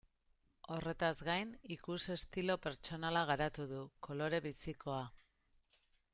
Horretaz gain, ikus-estilo pertsonala garatu du, kolore bizikoa.